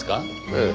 ええ。